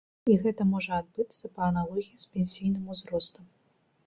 І гэта можа адбыцца па аналогіі з пенсійным узростам.